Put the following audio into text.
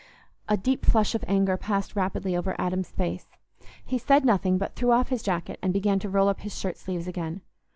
A deep flush of anger passed rapidly over Adam's face. He said nothing, but threw off his jacket and began to roll up his shirt sleeves again.